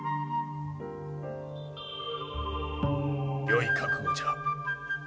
よい覚悟じゃ。